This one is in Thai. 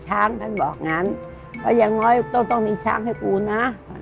ท่านบอกงั้นว่าอย่างน้อยต้องมีช้างให้กูนะ